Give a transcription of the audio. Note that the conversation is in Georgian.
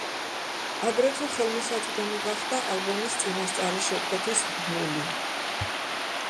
აგრეთვე ხელმისაწვდომი გახდა ალბომის წინასწარი შეკვეთის ბმული.